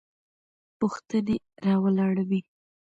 پوښتنې راولاړوي.